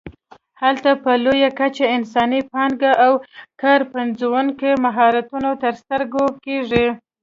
هلته په لویه کچه انساني پانګه او کار پنځوونکي مهارتونه تر سترګو کېږي.